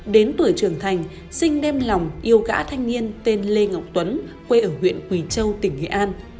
đến tuổi trưởng thành sinh đem lòng yêu gã thanh niên tên lê ngọc tuấn quê ở huyện quỳ châu tỉnh nghệ an